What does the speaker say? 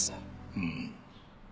うん。